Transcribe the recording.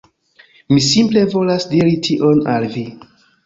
Mi simple volas diri tion al vi.